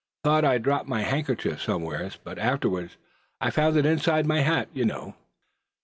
Thought I'd dropped my handkerchief somewhere, but afterwards I found it inside my hat, you know."